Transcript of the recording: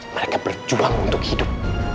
mereka berjuang untuk hidup